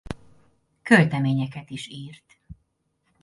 Költeményeket is írt.